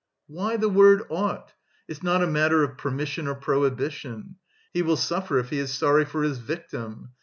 "Why the word ought? It's not a matter of permission or prohibition. He will suffer if he is sorry for his victim.